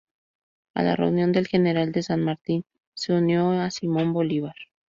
A la renuncia del General San Martín, se unió a Simón Bolívar.